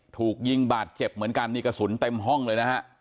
ถูกยิงบาดเจ็บเหมือนกันนี่กระสุนเต็มห้องเลยนะฮะ